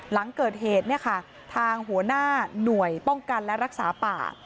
หลังเกิดเหตุเนี่ยค่ะทางหัวหน้าหน่วยป้องกันและรักษาป่า